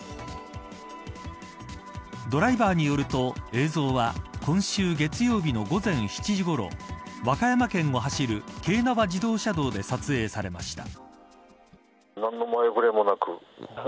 ドライバーによると、映像は今週月曜日の午前７時ごろ和歌山県を走る京奈和自動車道で撮影されました。